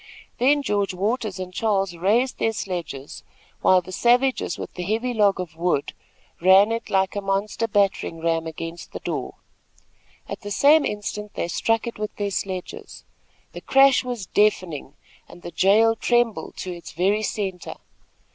Then George Waters and Charles raised their sledges, while the savages with the heavy log of wood ran it like a monster battering ram against the door. At the same instant they struck it with their sledges. The crash was deafening, and the jail trembled to its very centre.